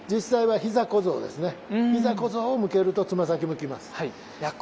膝小僧を向けるとつま先向きます。